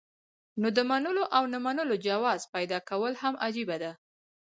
نو د منلو او نۀ منلو جواز پېدا کول هم عجيبه ده